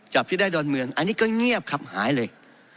จับที่ได้ดอนเมืองอันนี้ก็เงียบครับหายเลย